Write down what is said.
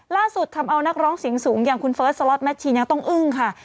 ล่าสุดทำเอานักร้องเสียงสูงอย่างคุณเฟิร์สสล็อตแมทชีนยังต้องอึ้งค่ะ